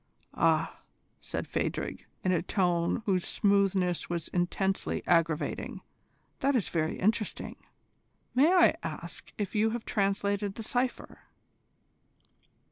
"Ah!" said Phadrig, in a tone whose smoothness was intensely aggravating, "that is very interesting. May I ask if you have translated the cypher?"